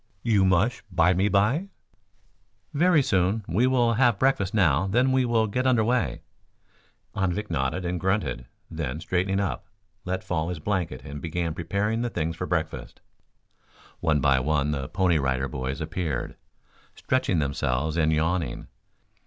"You mush bymeby?" "Very soon. We will have breakfast now, then we will get under way." Anvik nodded and grunted, then, straightening up, let fall his blanket and began preparing the things for breakfast. One by one the Pony Rider Boys appeared, stretching themselves and yawning.